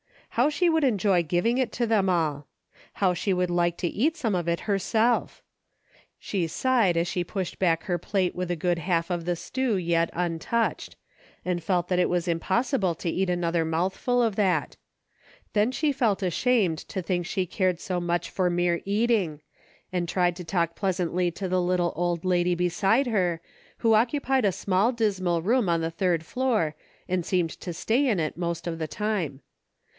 How she would enjoy giving it to them all. How she would like to eat some of it herself ! She sighed as she pushed back her plate with a good half of the stew yet untouched, and felt that it was impossible to eat another mouthful of that. Then she felt ashamed to think she cared so much for mere eating, and tried to talk pleasantly to the little old lady beside her, who occupied a small dismal room on the third floor and seemed to stay in it most of the time.